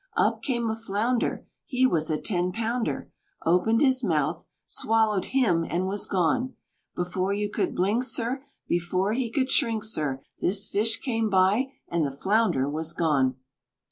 Up came a flounder, He was a ten pounder, Opened his mouth, swallowed him and was gone; Before you could blink, sir, Before he could shrink, sir, This fish came by and the flounder was gone!